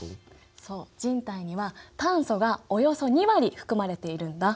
そう人体には炭素がおよそ２割含まれているんだ。